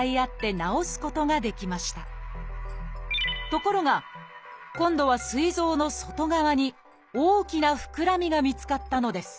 ところが今度はすい臓の外側に大きな膨らみが見つかったのです